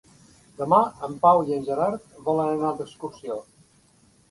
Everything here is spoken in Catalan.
Demà en Pau i en Gerard volen anar d'excursió.